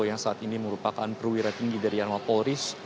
yang saat ini merupakan perwira tinggi dari anal polris